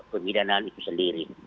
pembedaan itu sendiri